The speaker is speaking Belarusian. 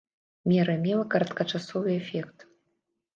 Мера мела кароткачасовы эфект.